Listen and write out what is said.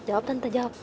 jawab tante jawab